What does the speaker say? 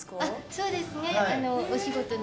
そうですね。